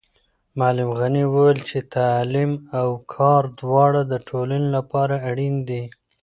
معلم غني وویل چې تعلیم او کار دواړه د ټولنې لپاره اړین دي.